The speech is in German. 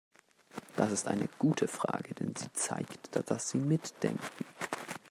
Das ist eine gute Frage, denn sie zeigt, dass Sie mitdenken.